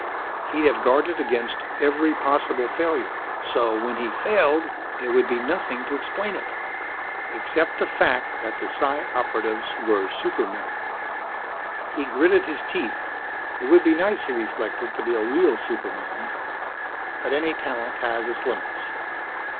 He'd have guarded against every possible failure so, when he failed, there would be nothing to explain it. Except the "fact" that the Psi Operatives were supermen. He gritted his teeth. It would be nice, he reflected, to be a real superman. But any talent has its limits.